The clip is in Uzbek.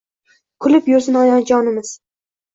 Kulib yursin onajonimiz